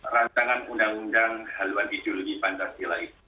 rancangan undang undang hip pancasila itu